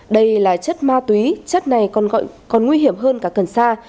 đây là chất ma túy chất này còn nguy hiểm hơn cả cần sa